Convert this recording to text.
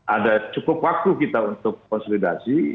ada cukup waktu kita untuk konsolidasi